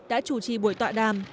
đã chủ trì buổi tọa đàm